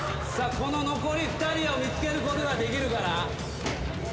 この残り２人を見つけることができるかな？